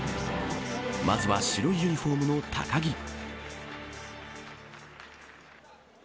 まずは白いユニフォームの高木。